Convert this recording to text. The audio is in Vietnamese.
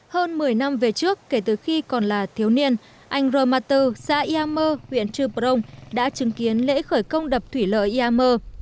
hơn một mươi năm về trước kể từ khi còn là thiếu niên anh romator xã iammer huyện chuparong đã chứng kiến lễ khởi công đập thủy lợi iammer